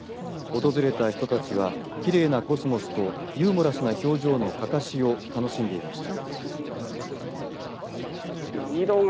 訪れた人たちはきれいなコスモスとユーモラスな表情のかかしを楽しんでいました。